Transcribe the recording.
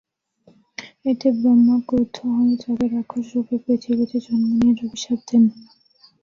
এতে ব্রহ্মা ক্রুদ্ধ হয়ে তাকে রাক্ষস রূপে পৃথিবীতে জন্ম নেয়ার অভিশাপ দেন।